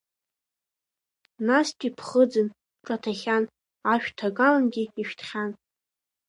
Настәи ԥхыӡын, ҿаҭахьан, ашәҭ ҭагалангьы ишәҭхьан.